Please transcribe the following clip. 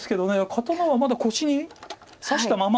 刀はまだ腰に差したまま。